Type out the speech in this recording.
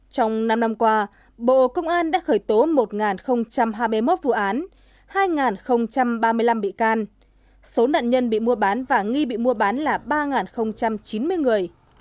trong năm năm qua bộ công an đã khởi tố một hai mươi một vụ án hai ba mươi năm bị can số nạn nhân bị mua bán và nghi bị mua bán là ba chín mươi người